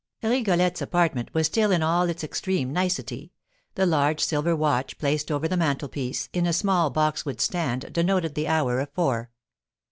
Rigolette's apartment was still in all its extreme nicety; the large silver watch placed over the mantelpiece, in a small boxwood stand, denoted the hour of four.